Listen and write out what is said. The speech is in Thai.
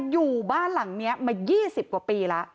อยู่บ้านหลังนี้มา๒๐กว่าปีแล้ว